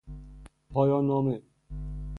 پایان نامه